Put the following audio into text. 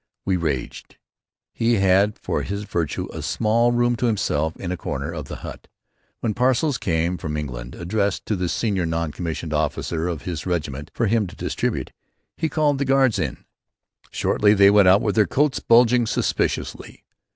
We raged. He had for his virtue a small room to himself in a corner of the hut. When parcels came from England, addressed to the senior non commissioned officer of his regiment, for him to distribute; he called the guards in. Shortly they went out with their coats bulging suspiciously.